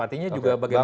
artinya juga bagaimana